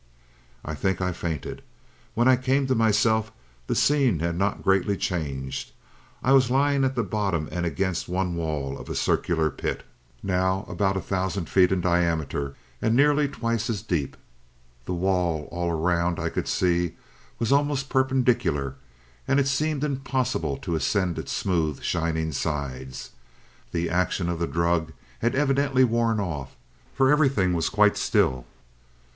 "I think I fainted. When I came to myself the scene had not greatly changed. I was lying at the bottom and against one wall of a circular pit, now about a thousand feet in diameter and nearly twice as deep. The wall all around I could see was almost perpendicular, and it seemed impossible to ascend its smooth, shining sides. The action of the drug had evidently worn off, for everything was quite still.